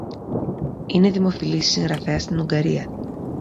Είναι δημοφιλής συγγραφέας στην Ουγγαρία